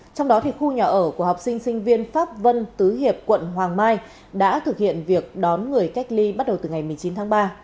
trong đó khu nhà ở của học sinh sinh viên pháp vân tứ hiệp quận hoàng mai đã thực hiện việc đón người cách ly bắt đầu từ ngày một mươi chín tháng ba